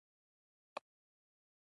زه یوه لوستې پیغله يمه.